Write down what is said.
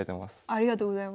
ありがとうございます。